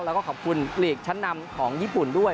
แล้วก็ขอบคุณลีกชั้นนำของญี่ปุ่นด้วย